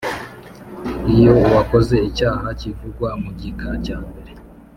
Iyo uwakoze icyaha kivugwa mu gika cyambere